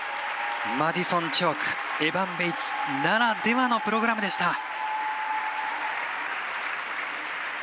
マディソン・チョークエバン・ベイツならではのプログラムでした。